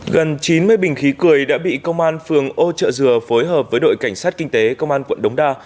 gần chín mươi bình khí cười đã bị công an phường ô trợ dừa phối hợp với đội cảnh sát kinh tế công an quận đống đa